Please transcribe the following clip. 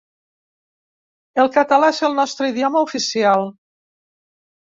El català és el nostre idioma oficial.